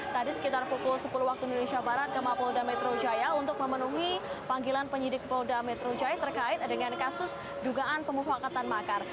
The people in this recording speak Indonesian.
tadi sekitar pukul sepuluh waktu indonesia barat ke mapolda metro jaya untuk memenuhi panggilan penyidik polda metro jaya terkait dengan kasus dugaan pemufakatan makar